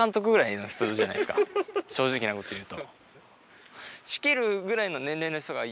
正直なこと言うと。